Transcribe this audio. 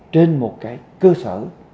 trên một cái cơ sở